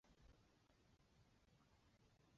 绒毛大眼蟹为沙蟹科大眼蟹属的动物。